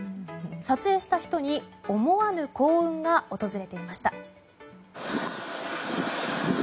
撮影した人に思わぬ幸運が訪れていました。